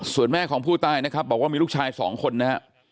ส่วนแม่ของผู้ตายนะครับบอกว่ามีลูกชายสองคนนะฮะ